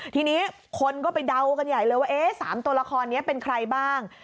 ทีนี้คนก็ไปเดากันใหญ่เลยว่า๓ตัวละครนี้เป็นใครบ้าง